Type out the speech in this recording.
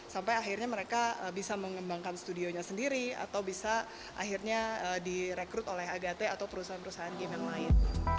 sampai akhirnya mereka bisa mengembangkan studionya sendiri atau bisa akhirnya direkrut oleh agate atau perusahaan perusahaan game yang lain